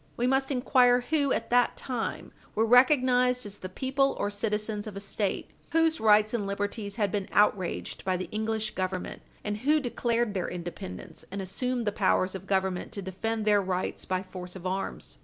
We must inquire who, at that time, were recognised as the people or citizens of a State whose rights and liberties had been outraged by the English Government, and who declared their independence and assumed the powers of Government to defend their rights by force of arms.